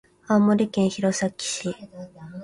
青森県弘前市